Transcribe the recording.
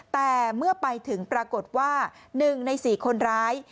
แต่เมื่อไปถึงปรากฏว่า๑ใน๔คนร้าย